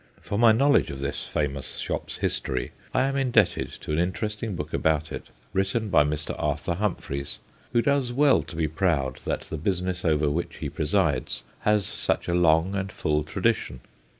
For my knowledge of this famous shop's history, I am indebted to an interesting book about it written by 258 THE GHOSTS OF PICCADILLY Mr. Arthur Humphreys, who does wall to be proud that the business over which he presides has such a long and full tradition.